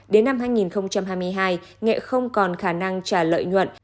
đến năm hai nghìn hai mươi hai nghệ không còn khả năng trả lợi nhuận